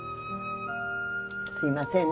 すいませんね